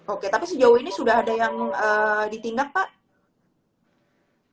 oke tapi sejauh ini sudah ada yang ditindak pak